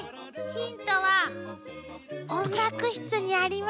ヒントは音楽室にありますよ。